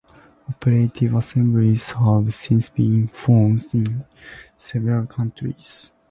Operative assemblies have since been formed in several countries.